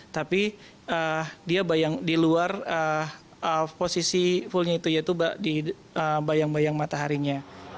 tapi dia bayang di luar posisi fullnya itu yaitu di bayang bayang mataharinya